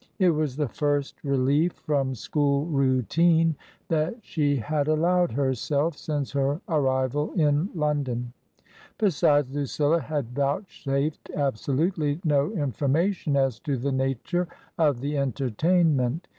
It was the first relief from school routine that she had allowed herself since her arrival in London; besides, Lucilla had vouchsafed absolutely no information as to the nature of the entertainment.